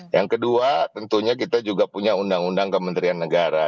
yang kedua tentunya kita juga punya undang undang kementerian negara